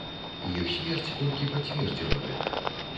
Іх смерць толькі пацвердзіла гэта.